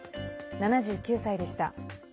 ７９歳でした。